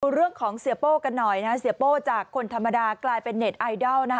เรื่องของเสียโป้กันหน่อยนะเสียโป้จากคนธรรมดากลายเป็นเน็ตไอดอล